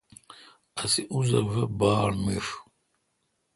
اسے اوزہ وے باڑ میݭ۔